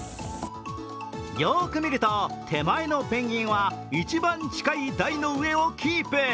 よーく見ると、手前のペンギンは一番近い台の上をキープ。